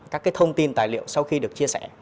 các thông tin tài liệu sau khi được chia sẻ